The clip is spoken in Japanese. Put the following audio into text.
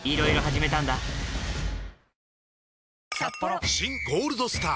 うん「新ゴールドスター」！